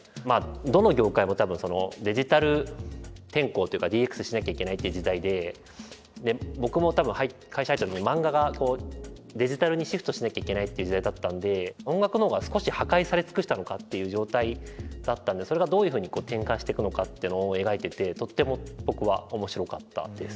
どの業界も多分デジタル転向というかＤＸしなきゃいけないっていう時代で僕も多分会社入った時に漫画がデジタルにシフトしなきゃいけないっていう時代だったんで音楽のほうが少し破壊されつくしたのかっていう状態だったんでそれがどういうふうに転換していくのかっていうのを描いててとっても僕は面白かったです。